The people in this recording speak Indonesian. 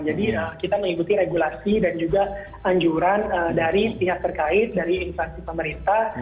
jadi kita mengikuti regulasi dan juga anjuran dari pihak terkait dari inflasi pemerintah